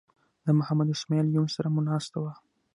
د محمد اسماعیل یون سره مو ناسته وه.